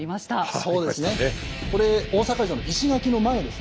そうですね。